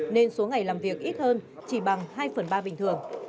nên số ngày làm việc ít hơn chỉ bằng hai phần ba bình thường